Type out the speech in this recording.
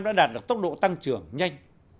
đã đạt được tốc độ tăng trưởng nhanh